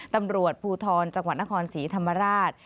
ตำรวจภูทรจังหวัดนครศรีธรรมราช